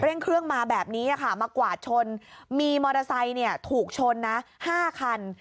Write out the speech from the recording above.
เร่งเครื่องมาแบบนี้ค่ะมากวาดชนมีมอเตอร์ไซค์ถูกชนนะ๕คัน